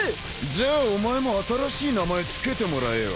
［じゃあお前も新しい名前つけてもらえよ］